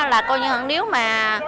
là nếu mà